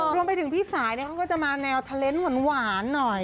รวมไปถึงพี่สายเนี่ยเขาก็จะมาแนวเทล็นต์หวานหน่อย